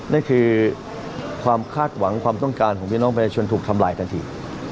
นั่นคือความคาดหวังความต้องการของพี่น้องประชาชนถูกทำลายทันที